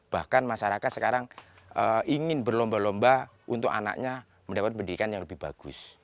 bahkan masyarakat sekarang ingin berlomba lomba untuk anaknya mendapat pendidikan yang lebih bagus